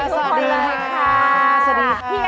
สวัสดีทุกคน